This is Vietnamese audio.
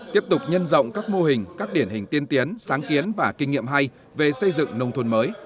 tiếp tục nhân rộng các mô hình các điển hình tiên tiến sáng kiến và kinh nghiệm hay về xây dựng nông thôn mới